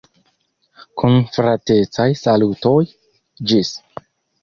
Kun fratecaj salutoj, ĝis!